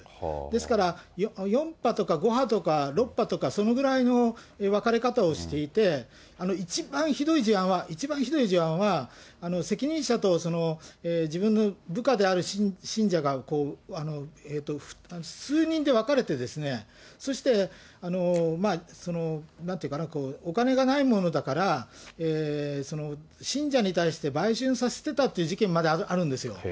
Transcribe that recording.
ですから、４派とか５派とか、６派とか、そのぐらいの分かれ方をしていて、一番ひどい事案は、責任者と自分の部下である信者が数人で分かれて、そしてなんていうかな、お金がないものだから、信者に対して売春させてたっていう事件まであるんですよ。